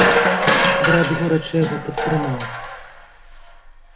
Брат горача яго падтрымаў.